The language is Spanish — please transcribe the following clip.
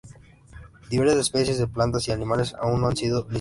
Diversas especies de plantas y de animales, aún no han sido listadas.